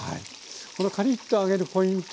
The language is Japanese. このカリッと揚げるポイント